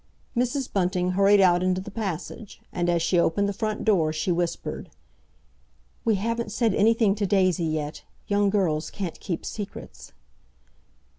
Mrs. Bunting hurried out into the passage, and as she opened the front door she whispered, "We haven't said anything to Daisy yet. Young girls can't keep secrets."